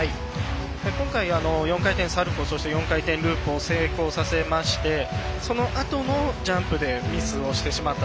今回、４回転サルコー４回転ループを成功させましてそのあとのジャンプでミスをしてしまった。